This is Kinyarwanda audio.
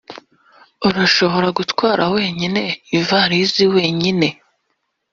urashobora gutwara wenyine ivarisi wenyine?